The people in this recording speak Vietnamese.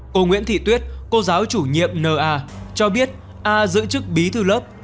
cô nguyễn thị tuyết cô giáo chủ nhiệm n a cho biết a giữ chức bí thư lớp